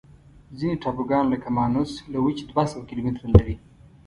ځینې ټاپوګان لکه مانوس له وچې دوه سوه کیلومتره لري.